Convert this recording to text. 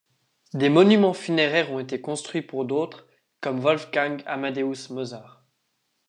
Des monuments funéraires ont été construits pour d'autres, comme Wolfgang Amadeus Mozart.